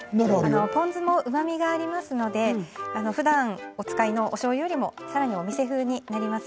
ポン酢はうまみがありますのでふだんお使いのしょうゆよりもお店風になります。